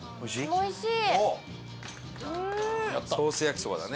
おいしい。